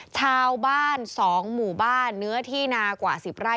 ชาวบ้าน๒หมู่บ้านเนื้อที่นากว่า๑๐ไร่